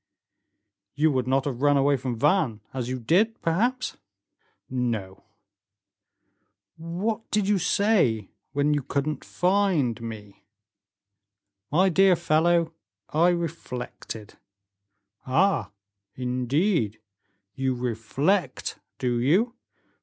"You would not have run away from Vannes as you did, perhaps?" "No; what did you say when you couldn't find me?" "My dear fellow, I reflected." "Ah, indeed; you reflect, do you?